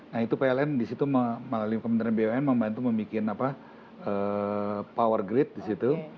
nah itu pln disitu melalui pemerintah bum membantu membuat power grid disitu